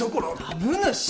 株主。